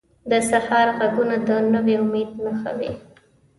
د سهار ږغونه د نوي امید نښه وي.